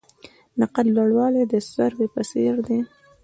د قد لوړوالی د سروې په څیر دی.